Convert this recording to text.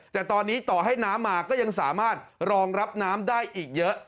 แต่ตอนนี้ต่อให้น้ำมาก็ยังสามารถรองรับน้ำได้อีกเยอะ